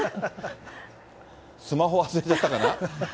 スマホ忘れちゃったかな？